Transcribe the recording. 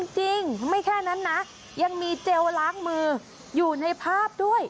จริงไม่แค่นั้นนะยังมีเจลล้างมืออยู่ในภาพด้วย